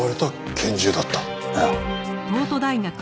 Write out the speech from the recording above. ああ。